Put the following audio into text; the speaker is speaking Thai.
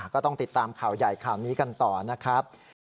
ก็ต้องติดตามข่าวใหญ่ข่าวนี้กันต่อนะครับ